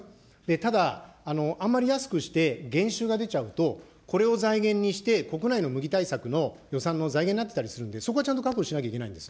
ただ、あんまり安くして、減収が出ちゃうと、これを財源にして、国内の麦対策の予算の財源になってたりするんで、そこはちゃんと確保しないといけないんです。